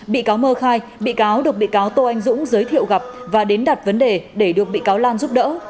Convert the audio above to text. bị cáo mơ khai bị cáo được bị cáo tô anh dũng giới thiệu gặp và đến đặt vấn đề để được bị cáo lan giúp đỡ